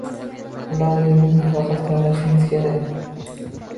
Ularni o’zingiz mustaqil tanlashingiz kerak.